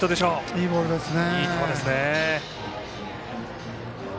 いいボールですね。